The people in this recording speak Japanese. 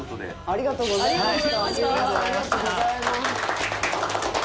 ありがとうございます。